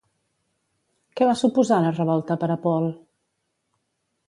Què va suposar la revolta per a Paul?